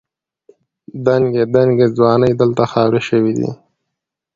دنګې دنګې ځوانۍ دلته خاورې شوې دي.